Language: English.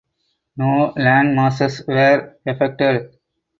No landmasses were affected.